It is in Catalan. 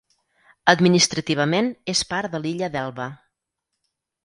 Administrativament és part de l'illa d'Elba.